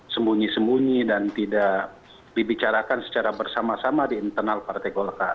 sembunyi sembunyi dan tidak dibicarakan secara bersama sama di internal partai golkar